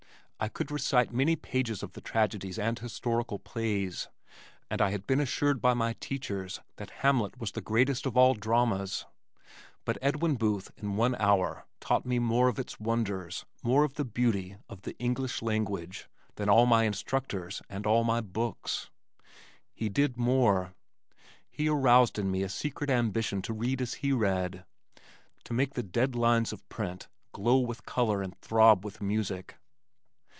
I could recite many pages of the tragedies and historical plays, and I had been assured by my teachers that Hamlet was the greatest of all dramas, but Edwin Booth in one hour taught me more of its wonders, more of the beauty of the English language than all my instructors and all my books. He did more, he aroused in me a secret ambition to read as he read, to make the dead lines of print glow with color and throb with music.